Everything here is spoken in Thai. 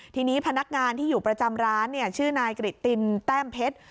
ทีนี้พนักงานที่อยู่ประจำร้านชื่อนายกริตินแต้มเพชร